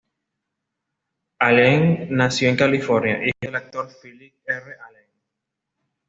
Allen nació en California, hijo del actor Phillip R. Allen.